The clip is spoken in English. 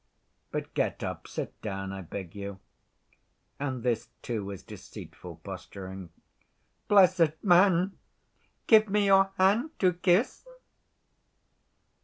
But get up, sit down, I beg you. All this, too, is deceitful posturing...." "Blessed man! Give me your hand to kiss."